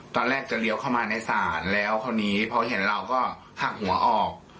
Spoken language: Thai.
ตอนแรกจะเลี้ยวเข้ามาในศาลแล้วคราวนี้พอเห็นเราก็หักหัวออก